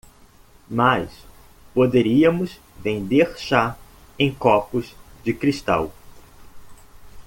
Mas poderíamos vender chá em copos de cristal.